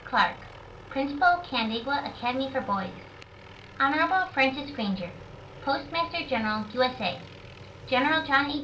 CLARKE Principal Canandaigua Academy for Boys Hon. FRANCIS GRANGER Postmaster General, U.S.A. General JOHN A.